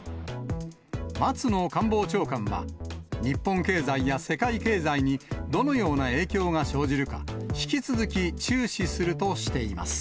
松野官房長官は、日本経済や世界経済にどのような影響が生じるか、引き続き注視するとしています。